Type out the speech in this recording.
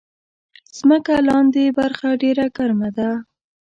مځکه لاندې برخه ډېره ګرمه ده.